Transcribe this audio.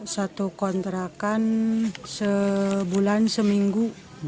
satu kontrakan sebulan seminggu